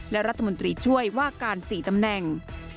และรัฐมนตรีช่วยว่าการ๔ตำแหน่ง